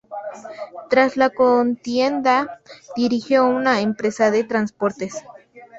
Tras la contienda dirigió una empresa de transportes.